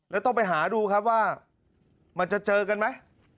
แล้วต้องไปหาดูครับว่ามันจะเจอกันไหม